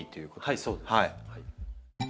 はいそうです。